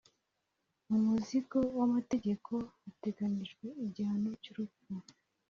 mu muzingo w amategeko hateganijwe igihano cy’urupfu